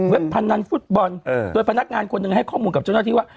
พนันฟุตบอลโดยพนักงานคนหนึ่งให้ข้อมูลกับเจ้าหน้าที่ว่า